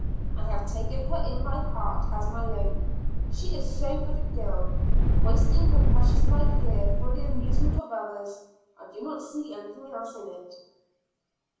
I have taken her in my heart as my own; she is so good a girl, wasting her precious life here for the amusement of others I don't see anything else in it.